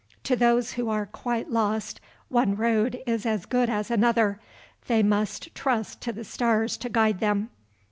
"To those who are quite lost one road is as good as another; they must trust to the stars to guide them."